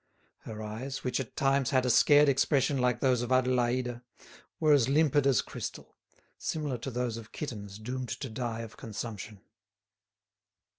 Her eyes, which at times had a scared expression like those of Adélaïde, were as limpid as crystal, similar to those of kittens doomed to die of consumption.